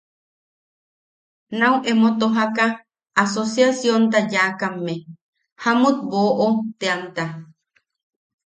Nau emo tojaka asociacionta yaakamme Jamut Boʼo teamta...